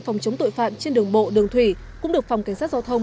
phòng chống tội phạm trên đường bộ đường thủy cũng được phòng cảnh sát giao thông